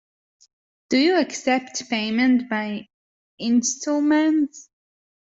Do you accept payment by instalments?